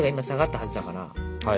はい。